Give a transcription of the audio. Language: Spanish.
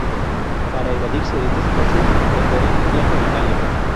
Para evadirse de esta situación emprenderá un viaje a Italia.